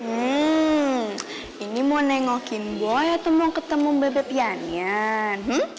hmm ini mau nengokin boy atau mau ketemu bb pian yan